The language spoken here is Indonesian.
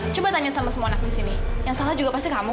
coba tanya sama semua anak di sini yang salah juga pasti kamu